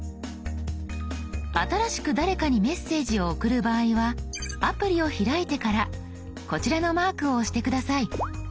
新しく誰かにメッセージを送る場合はアプリを開いてからこちらのマークを押して下さい。